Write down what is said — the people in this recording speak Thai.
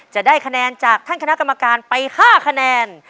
จะได้คะแนนจากท่านคณะกรรมการไป๕คะแนน